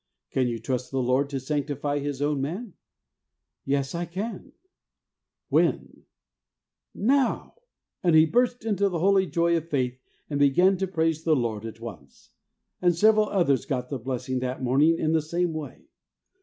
' Can you trust the Lord to sanctify His own man ?'' Yes, I can.' 'When?' 26 THE WAY OF HOLINESS ' Now !' and he burst into the holy joy of faith, and began to praise the Lord at once ; and several others got the blessing that morning in the same way.